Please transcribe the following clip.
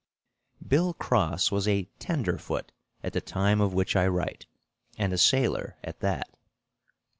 Bill Cross was a "tender foot" at the time of which I write, and a sailor, at that.